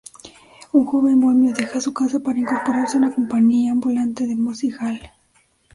Un joven bohemio deja su casa para incorporarse a una compañía ambulante de music-hall.